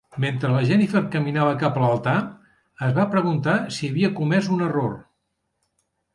Mentre la Jennifer caminava cap a l'altar, es va preguntar si havia comès un error.